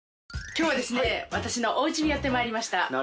今日は私のおうちにやってまいりました